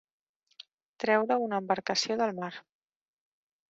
Treure una embarcació del mar.